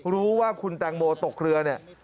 รู้ว่าคุณแตงโมตกเรือเนี่ย